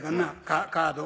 カードを。